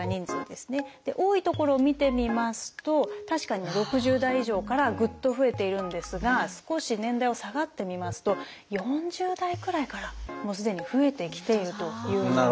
多い所を見てみますと確かに６０代以上からぐっと増えているんですが少し年代を下がってみますと４０代くらいからもうすでに増えてきているという。